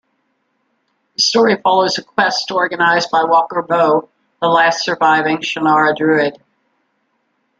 The story follows a quest organized by Walker Boh, the last surviving Shannara Druid.